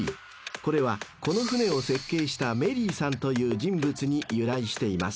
［これはこの船を設計したメリーさんという人物に由来しています］